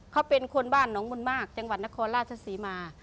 เขาเป็นคนบ้านหนองบุญมากจังหวัดนครราชศรีมา